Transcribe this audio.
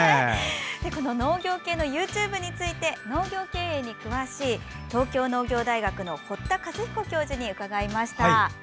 農業系のＹｏｕＴｕｂｅについて農業経営に詳しい東京農業大学の堀田和彦教授に伺いました。